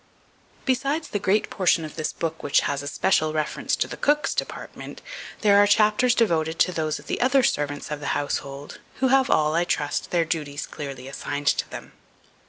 Besides the great portion of the book which has especial reference to the cook's department, there are chapters devoted to those of the other servants of the household, who have all, I trust, their duties clearly assigned to them.